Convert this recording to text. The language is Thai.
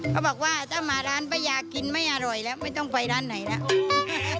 เขาบอกว่าถ้ามาร้านป้ายากินไม่อร่อยแล้วไม่ต้องไปร้านไหนแล้ว